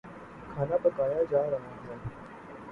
کھانا پکایا جا رہا ہے